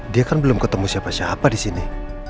dia kan belum ketemu siapa siapa disini